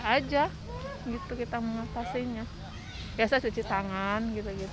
ya aja kita mengatasi biasa cuci tangan